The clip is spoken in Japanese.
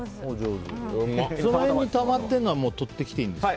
その辺にたまってるのはとってきていいんですか。